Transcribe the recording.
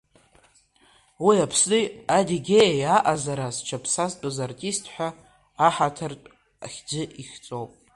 Уи Аԥсни-Адигьеиеи аҟазара зҽаԥсазтәыз артист ҳәа аҳаҭыртә хьӡы ихҵоуп.